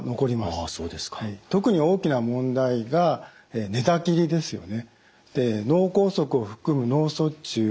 特に大きな問題が寝たきりですよね。